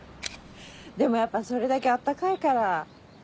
でもやっぱそれだけ暖かいから。